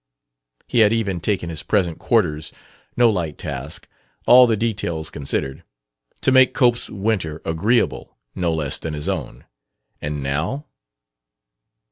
He had even taken his present quarters no light task, all the details considered to make Cope's winter agreeable, no less than his own. And now?